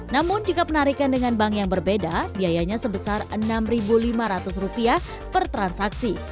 namun jika penarikan dengan bank yang berbeda biayanya sebesar rp enam lima ratus per transaksi